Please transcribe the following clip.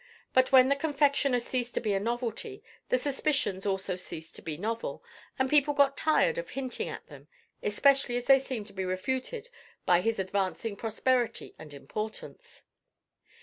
But when the confectioner ceased to be a novelty, the suspicions also ceased to be novel, and people got tired of hinting at them, especially as they seemed to be refuted by his advancing prosperity and importance.